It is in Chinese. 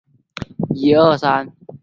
他已婚并育有一子一女。